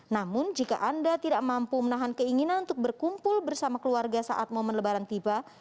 namun jika anda tidak mampu menahan keinginan untuk berkumpul bersama keluarga saat momen lebaran tiba